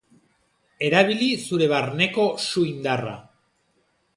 Erabili zure barneko su indarra.